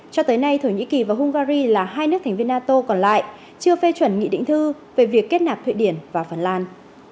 cho tới nay thổ nhĩ kỳ và hungary là hai nước thành viên nato còn lại chưa phê chuẩn nghị định thư về việc kết nạp thụy điển và phần lan